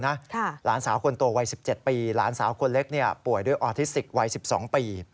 หลานสาวคนโตวัย๑๗ปีหลานสาวคนเล็กป่วยด้วยออทิสติกวัย๑๒ปี